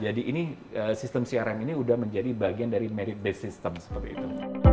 jadi sistem crm ini sudah menjadi bagian dari merit based system seperti itu